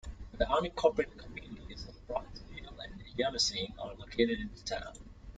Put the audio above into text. The unincorporated communities of Brodtville and Wyalusing are located in the town.